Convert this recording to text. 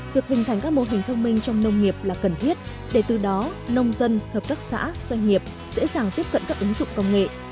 việc hình thành các mô hình thông minh trong nông nghiệp là cần thiết để từ đó nông dân hợp tác xã doanh nghiệp dễ dàng tiếp cận các ứng dụng công nghệ